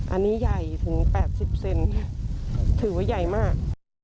อันนี้ใหญ่ถึง๘๐เซนถือว่าใหญ่มาก